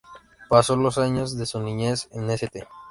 Pasó los años de su niñez en St.